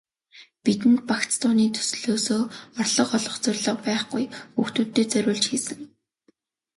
Бидэнд багц дууны төслөөсөө орлого олох зорилго байхгүй, хүүхдүүддээ зориулж хийсэн.